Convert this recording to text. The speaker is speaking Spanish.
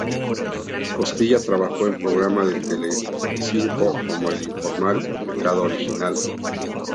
Costilla trabajó en programas de Telecinco, como "El Informal" y "Pecado Original".